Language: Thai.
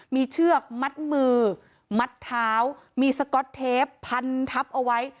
มีเชือกมัดมือมัดเท้ามีสก๊อตเทปพันทับเอาไว้